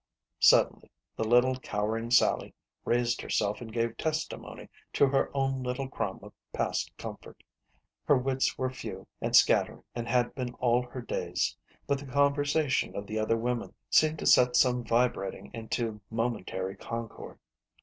Suddenly the little cowering Sally raised herself and gave 92* SISTER LIDDY. testimony to her own little crumb of past comfort. Her wits were few and scattering, and had been all her days, but the conversation of the other women seemed to set some vibrating into momentary concord.